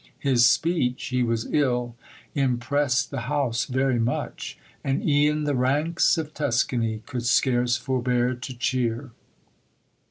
His speech (he was ill) impressed the House very much. "And e'en the ranks of Tuscany could scarce forbear to cheer."